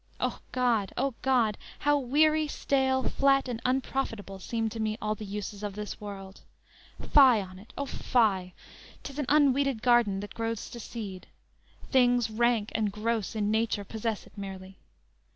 O God! O God! How weary, stale, flat and unprofitable Seem to me all the uses of this world! Fye on't! O Fye! 'tis an unweeded garden, That grows to seed; things rank and gross in nature Possess it merely.